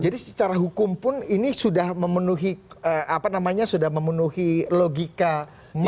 jadi secara hukum pun ini sudah memenuhi apa namanya sudah memenuhi logika makar tadi ya